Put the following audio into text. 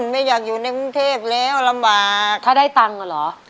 ไม่อยากอยู่ในกรุงเทพแล้ว